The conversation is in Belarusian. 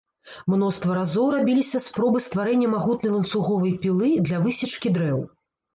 Мноства разоў рабіліся спробы стварэння магутнай ланцуговай пілы для высечкі дрэў.